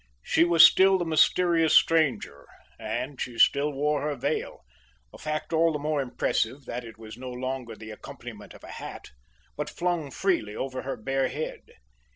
She was still the mysterious stranger, and she still wore her veil a fact all the more impressive that it was no longer the accompaniment of a hat, but flung freely over her bare head.